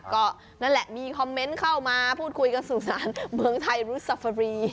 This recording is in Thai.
ก็นั่นแหละมีคอมเมนต์เข้ามาพูดคุยกันสู่สารเมืองไทยรุษฟรี